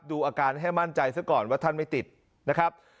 ดูอาการให้มั่นใจซะก่อนว่าท่านไม่ติดนะครับ